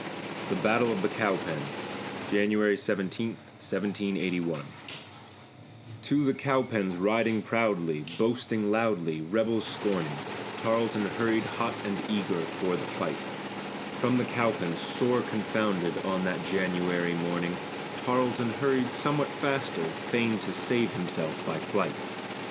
THE BATTLE OF THE COWPENS [January 17, 1781] To the Cowpens riding proudly, boasting loudly, rebels scorning, Tarleton hurried, hot and eager for the fight; From the Cowpens, sore confounded, on that January morning, Tarleton hurried somewhat faster, fain to save himself by flight.